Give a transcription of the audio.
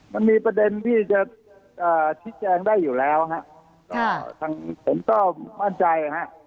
มันมีประเด็นที่จะชี้แจงได้อยู่แล้วผมก็มั่นใจ